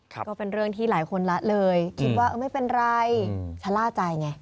ก็เป็นเรื่องที่หลายคนละเลยคิดว่าเออไม่เป็นไรชะล่าใจไง